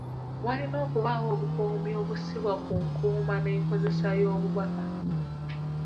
Walina okubaawo obukuumi obussibwa ku nkuuma n'enkozesa y'obubaka.